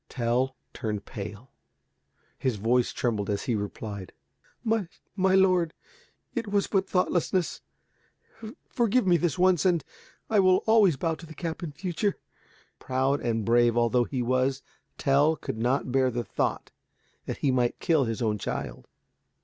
Tell turned pale. His voice trembled as he replied, "My lord, it was but thoughtlessness. Forgive me this once, and I will always bow to the cap in future." Proud and brave although he was, Tell could not bear the thought that he might kill his own child.